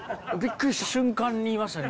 瞬間にいましたね。